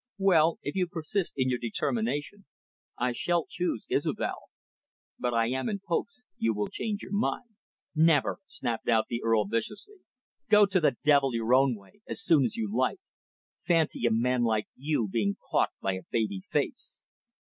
Well, if you persist in your determination, I shall choose Isobel. But I am in hopes you will change your mind." "Never," snapped out the Earl viciously. "Go to the devil your own way, as soon as you like. Fancy a manlike you being caught by a baby face."